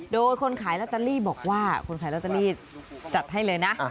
โดยคนขายลอตเตอรี่บอกว่าคนขายลอตเตอรี่จัดให้เลยนะ